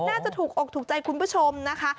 น่าจะถูกอกถูกใจคุณผู้ชมนะคะ